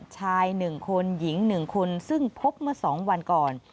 ชาย๑คนหญิง๑คนซึ่งพบเมื่อ๒วันก่อน